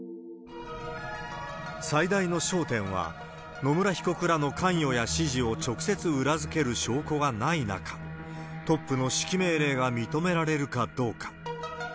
最大の焦点は、野村被告らの関与や指示を直接裏付ける証拠がない中、トップの指揮命令が認められるかどうか。